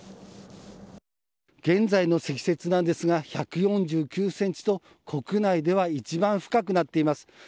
現在の積雪なんですが１４９ｃｍと国内では一番深くなっています。